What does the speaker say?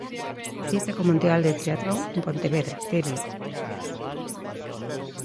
Cita co Mundial de Tríatlon en Pontevedra, Terio.